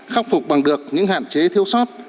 khắc phục bằng được những hạn chế thiêu sót